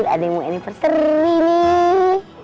ada yang mau anniversary nih